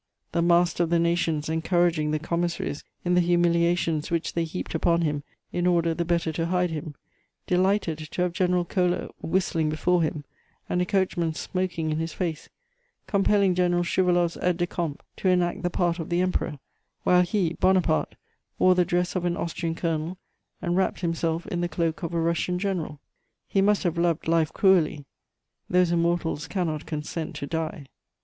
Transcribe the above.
The master of the nations encouraging the commissaries in the humiliations which they heaped upon him in order the better to hide him, delighted to have General Koller whistling before him and a coachman smoking in his face, compelling General Schouwaloff's aide de camp to enact the part of the Emperor, while he, Bonaparte, wore the dress of an Austrian colonel and wrapped himself in the cloak of a Russian general. He must have loved life cruelly: those immortals cannot consent to die.